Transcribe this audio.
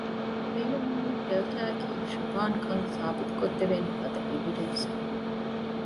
ބޭނުންވަނީ ޑެލްޓާ އަކީ ޝުބާކަން ސާބިތުކޮށްދެވޭނެފަދަ އެވިޑެންސްއެއް